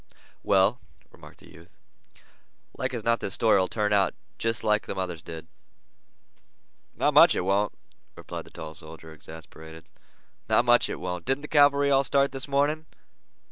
"Well," remarked the youth, "like as not this story'll turn out jest like them others did." "Not much it won't," replied the tall soldier, exasperated. "Not much it won't. Didn't the cavalry all start this morning?"